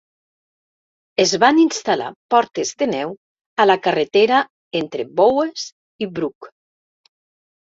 Es van instal·lar portes de neu a la carretera entre Bowes i Brough.